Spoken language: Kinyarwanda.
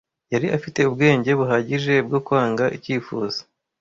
Yari afite ubwenge buhagije bwo kwanga icyifuzo.